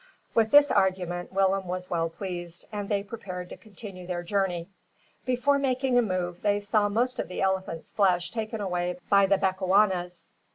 With this argument Willem was well pleased; and they prepared to continue their journey. Before making a move, they saw most of the elephant's flesh taken away by the Bechuanas.